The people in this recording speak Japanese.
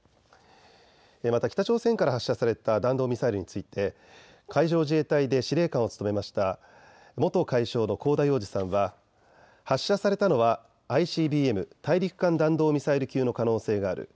また北朝鮮から発射された弾道ミサイルについて海上自衛隊で司令官を務めました元海将の香田洋二さんは発射されたのはＩＣＢＭ・大陸間弾道ミサイル級の可能性がある。